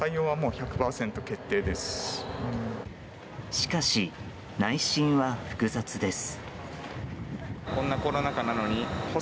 しかし、内心は複雑です。